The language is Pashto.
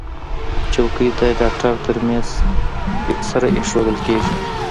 چوکۍ د ډاکټر تر میز سره ایښودل کېږي.